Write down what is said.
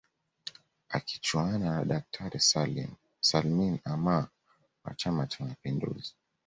Akichuana na daktari Salmin Amour wa chama cha mapinduzi